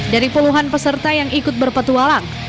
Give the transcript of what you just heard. dari puluhan peserta yang ikut berpetualang